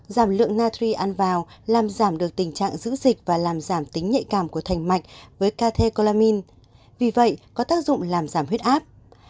giảm lượng nathi ăn vào làm giảm được tình trạng giữ dịch và làm giảm tính nhạy cảm của thành mạch với cathe colomin vì vậy có tác dụng làm giảm huyết áp